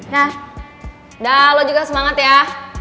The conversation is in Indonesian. nah dah lo juga semangat ya